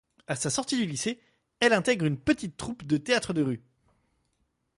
À sa sortie du lycée, elle intègre une petite troupe de théâtre de rue.